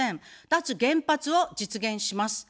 脱原発を実現します。